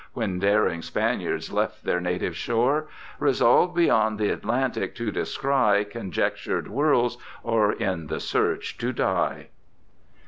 When daring Spaniards left their native shore ; Resolv'd beyond th' Atlantick to descry Conjectured worlds, or in the search to dye.